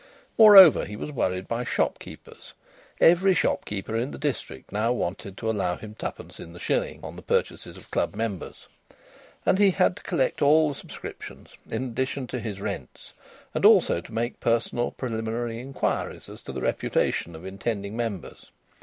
Moreover, he was worried by shopkeepers; every shopkeeper in the district now wanted to allow him twopence in the shilling on the purchases of club members. And he had to collect all the subscriptions, in addition to his rents; and also to make personal preliminary inquiries as to the reputation of intending members.